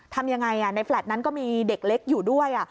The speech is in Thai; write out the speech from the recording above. ทำยังไงในแฟลต์นั้นก็มีเด็กเล็กอยู่ด้วย